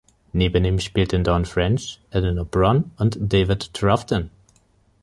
Neben ihm spielten Dawn French, Eleanor Bron und David Troughton.